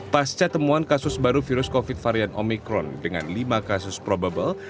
pasca temuan kasus baru virus covid varian omikron dengan lima kasus probable